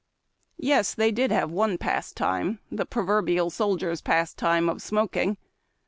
Yes, they did have one pastime — the proverbial soldier's pastime of smoking.